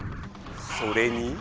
それに。